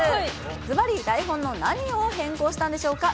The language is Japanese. ずばり、台本の何を変更したんでしょうか。